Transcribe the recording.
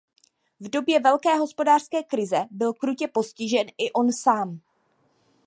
V době Velké hospodářské krize byl krutě postižen i on sám.